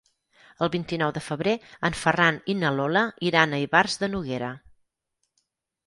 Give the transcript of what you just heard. El vint-i-nou de febrer en Ferran i na Lola iran a Ivars de Noguera.